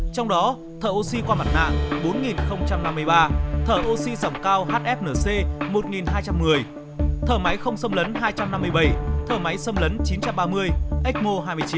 trong đó thở oxy qua mặt nạ bốn năm mươi ba thở oxy sòng cao hfnc một hai trăm linh người thở máy không xâm lấn hai trăm năm mươi bảy thở máy xâm lấn chín trăm ba mươi ecmo hai mươi chín